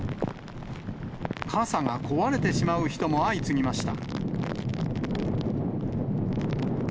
傘が壊れてしまう人も相次ぎました。